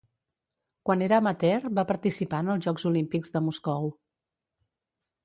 Quan era amateur va participar en els Jocs Olímpics de Moscou.